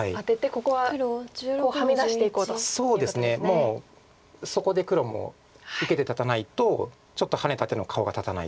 もうそこで黒も受けて立たないとちょっとハネた手の顔が立たないという。